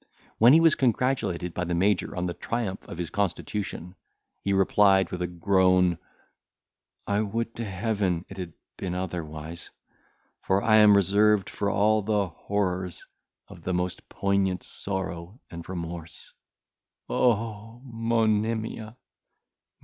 When he was congratulated by the Major on the triumph of his constitution, he replied, with a groan, "I would to heaven it had been otherwise, for I am reserved for all the horrors of the most poignant sorrow and remorse. O Monimia!